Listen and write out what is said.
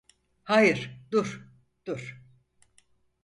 Hayır, dur, dur.